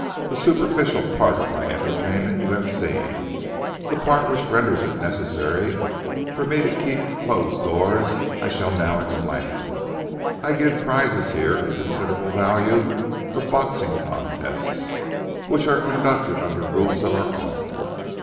The superficial part of my entertainment you have seen. The part which renders it necessary for me to keep closed doors, I shall now explain. I give prizes here of considerable value for boxing contests which are conducted under rules of our own.